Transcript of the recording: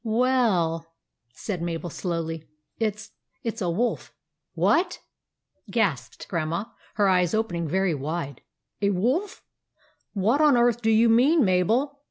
"" Well," said Mabel, slowly, " it 's — it 's a wolf." " Wha a t ?" gasped Grandma, her eyes opening very wide. " A wolf ? What on earth do you mean, Mabel